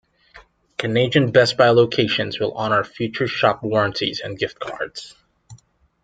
Canadian Best Buy locations will honour Future Shop warranties and gift cards.